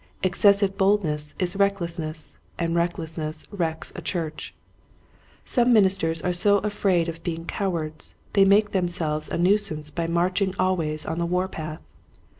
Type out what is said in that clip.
Excessive boldness is reckless ness, and recklessness wrecks a church. Some ministers are so afraid of being cowards they make themselves a nuisance by marching always on the war path.